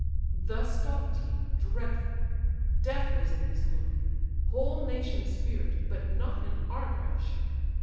Thus stalk'd he, dreadful; death was in his look: Whole nations fear'd; but not an Argive shook.